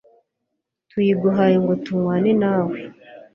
tuyiguhaye ngo tunywane nawe